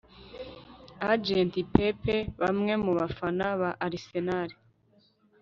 Agent Pepe Bamwe mu bafana ba Arsenal